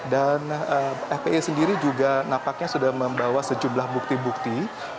dan fpi sendiri juga napaknya sudah membawa sejumlah bukti bukti